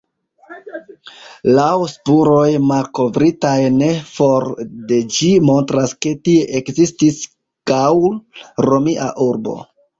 Laŭ spuroj malkovritaj ne for de ĝi montras ke tie ekzistis gaŭl-romia urbo.